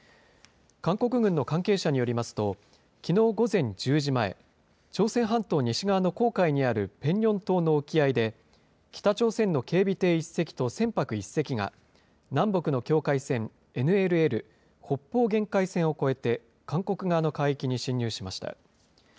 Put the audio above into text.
韓国軍の関係者によりますと、きのう午前１０時前、朝鮮半島西側の黄海にあるペンニョン島の沖合で、北朝鮮の警備艇１隻と船舶１隻が、南北の境界線ＮＬＬ・北方限界線を越えて、韓国側の海域に侵入しました。